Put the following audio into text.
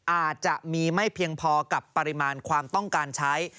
อาจจะมีไม่เพียงพอกับปริมาณความต้องการใช้